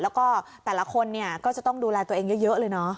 แล้วก็แต่ละคนเนี่ยก็จะต้องดูแลตัวเองเยอะเลยเนอะ